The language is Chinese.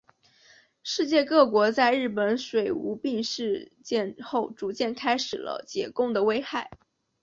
世界各国在日本水俣病事件后逐渐开始了解汞的危害。